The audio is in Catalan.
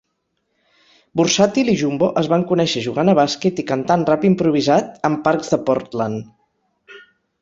Vursatyl i Jumbo es van conèixer jugant a bàsquet i cantant rap improvisat en parcs de Portland.